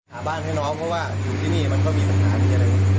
หาบ้านให้น้องเพราะว่าอยู่ที่นี่มันก็มีสัมภาษณ์อย่างนี้เลย